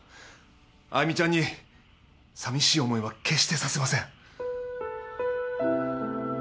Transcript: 愛魅ちゃんにさみしい思いは決してさせません。